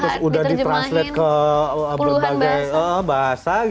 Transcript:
terus udah di translate ke berbagai bahasa